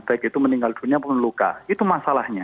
baik itu meninggal dunia pun luka itu masalahnya